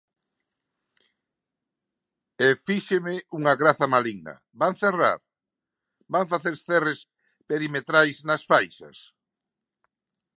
E fíxeme unha graza maligna, ¿van cerrar?, ¿van facer cerres perimetrais nas faixas?